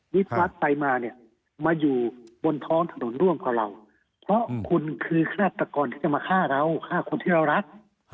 ฟรัฐไปมาเนี่ยมาอยู่บนท้องถนนร่วมกับเราเพราะคุณคือฆาตกรที่จะมาฆ่าเราฆ่าคนที่เรารัก